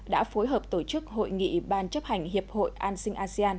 đã phối hợp tổ chức hội nghị ban chấp hành hiệp hội an sinh asean